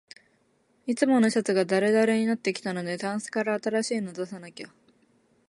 いつものシャツがだるだるになってきたので、タンスから新しいの出さなきゃ